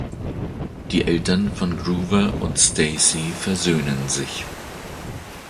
Die Eltern von Grover und Stacy versöhnen sich.